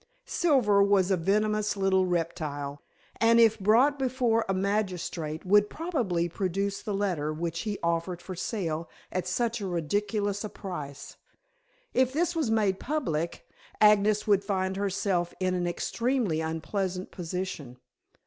Silver was a venomous little reptile, and if brought before a magistrate would probably produce the letter which he offered for sale at so ridiculous a price. If this was made public, Agnes would find herself in an extremely unpleasant position.